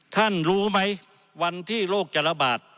ท่านรู้ไหมวันที่โรคจะระบาด